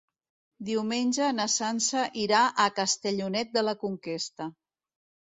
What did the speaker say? Diumenge na Sança irà a Castellonet de la Conquesta.